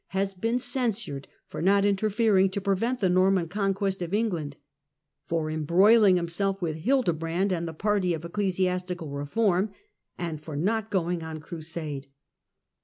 has been censured for not interfering to prevent the Norman Conquest of England, for em ^fcroiling himself with Hildebrand and the party of ^Ecclesiastical reform, and for not going on crusade.